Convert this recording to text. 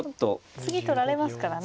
次取られますからね。